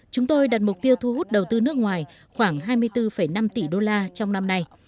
chúng tôi đặt mục tiêu thu hút đầu tư nước ngoài khoảng hai mươi bốn năm tỷ đô la trong năm nay